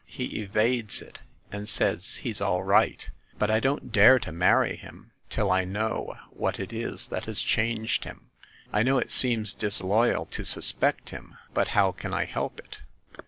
He evades it, and says he's all right. But I don't dare to marry him till I know what it is that has changed him. I know it seems disloyal to suspect him, but how can I help it?"